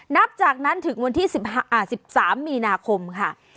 นับจากนั้นถึงวันที่๑๓มีนาคมค่ะ